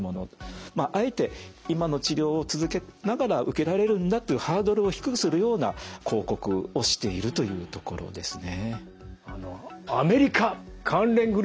まああえて今の治療を続けながら受けられるんだというハードルを低くするような広告をしているというところですね。